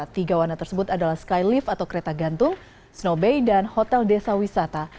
tiga warna tersebut adalah skylift atau kereta gantung snow bay dan hotel desa wisata